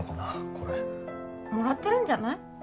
これもらってるんじゃない？